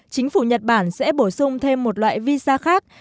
chính phủ nhật bản sẽ bổ sung thêm một loại visa khác